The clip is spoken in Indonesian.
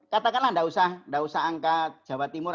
katakanlah tidak usah angka jawa timur